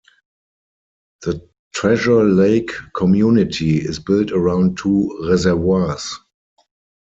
The Treasure Lake community is built around two reservoirs.